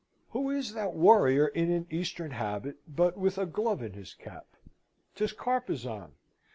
Who is that warrior in an Eastern habit, but with a glove in his cap? 'Tis Carpezan.